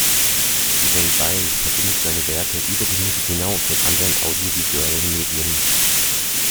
Michael Beil verbindet seine Werke über die Musik hinaus mit anderen audiovisuellen Medien.